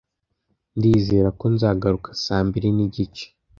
Ndizera ko nzagaruka saa mbiri n'igice.